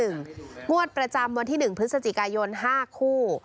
งวดประจำวันที่๑พฤศจิกายน๕คู่